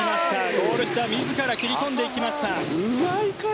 ゴール下自ら切り込んでいきました。